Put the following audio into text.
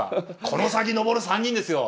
この先のぼる３人ですよ！